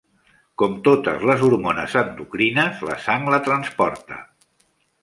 Com totes les hormones endocrines, la sang la transporta.